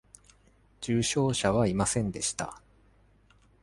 重傷者はいませんでした。